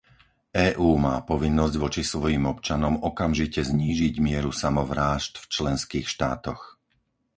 EÚ má povinnosť voči svojim občanom okamžite znížiť mieru samovrážd v členských štátoch.